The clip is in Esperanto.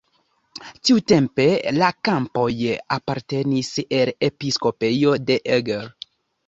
Tiutempe la kampoj apartenis al episkopejo de Eger.